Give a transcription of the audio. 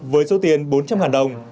với số tiền bốn trăm linh đồng